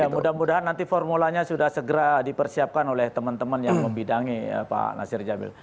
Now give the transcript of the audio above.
ya mudah mudahan nanti formulanya sudah segera dipersiapkan oleh teman teman yang membidangi pak nasir jabil